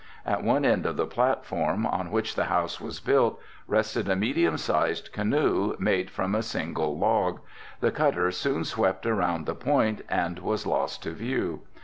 At one end of the platform, on which the house was built, rested a medium sized canoe, made from a single log. The cutter soon swept around the point and was lost to view.